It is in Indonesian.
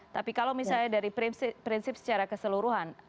tapi kalau misalnya dari prinsip secara keseluruhan